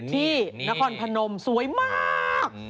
ที่นครพนมสวยมาก